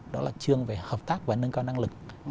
đó là chương về hợp tác và nâng cao năng lực